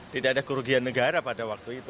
tidak ada kerugian negara pada waktu itu